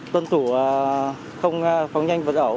tuân thủ không phóng nhanh vật ẩu